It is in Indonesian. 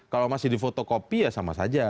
kalau masih difotokopi ya sama saja